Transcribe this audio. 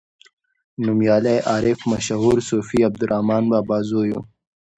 نومیالی عارف مشهور صوفي عبدالرحمان بابا زوی دی.